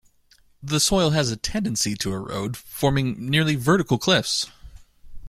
The soil has a tendency to erode, forming nearly vertical cliffs.